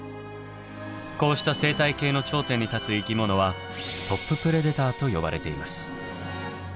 こうした生態系の頂点に立つ生き物はトッププレデターと呼ばれています。